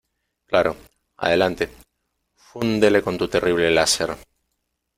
Claro, adelante. Fúndele con tu terrible láser .